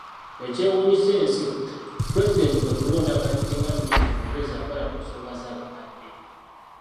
Ekyewuunyisa ensi, Pulezidenti kwe kulonda Kanyike nga minisita omubeezi akola ku nsonga z’abakadde.